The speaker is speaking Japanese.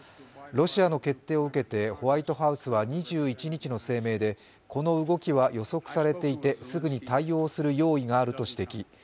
ロシアの決定を受けてホワイトハウスは２１日の声明でこの動きは予測されていて、すぐに対応する用意があると指摘。